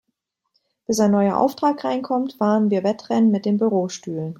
Bis ein neuer Auftrag reinkommt, fahren wir Wettrennen mit den Bürostühlen.